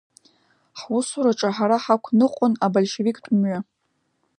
Ҳусураҿы ҳара ҳақәныҟәон абольшевиктә мҩа.